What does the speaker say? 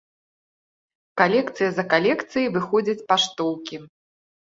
Калекцыя за калекцыяй выходзяць паштоўкі.